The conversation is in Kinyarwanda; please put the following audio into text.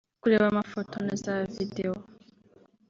kureba amafoto na za videos